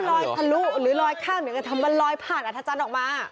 เดี๋ยวก็ทำมันลอยผ่านอาธจันทร์ออกมา